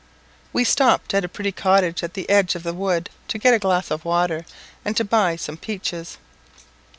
We stopped at a pretty cottage at the edge of the wood to get a glass of water, and to buy some peaches.